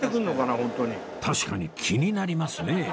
確かに気になりますねえ